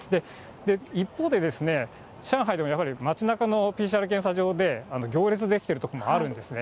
一方で、上海でもやはり町なかのＰＣＲ検査場で行列出来てるところもあるんですね。